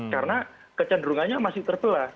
karena kecenderungannya masih terpelah